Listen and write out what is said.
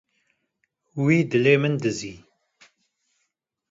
Wî dilê min dizî.